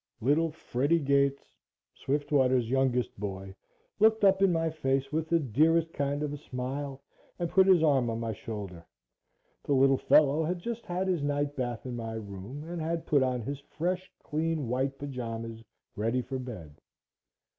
Little Freddie Gates, Swiftwater's youngest boy, looked up in my face with the dearest kind of a smile, and put his arm on my shoulder. The little fellow had just had his night bath in my room and had put on his fresh, clean, white pajamas, ready for bed.